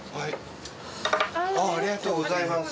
ありがとうございます。